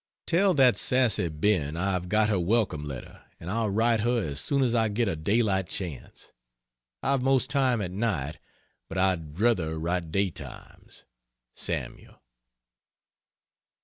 Tell that sassy Ben I've got her welcome letter, and I'll write her as soon as I get a daylight chance. I've most time at night, but I'd druther write daytimes. SAML.